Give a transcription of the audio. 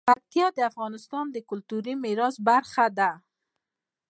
پکتیا د افغانستان د کلتوري میراث برخه ده.